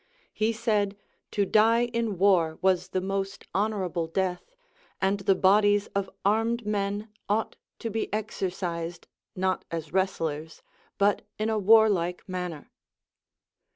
He said, to die in war was the most honorable death, and the bodies of armed men ought to be exercised, not as wrestlers, but in a warlike manner.